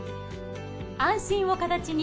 安心を形に。